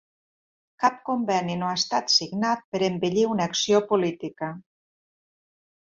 Cap conveni no ha estat signat per embellir una acció política.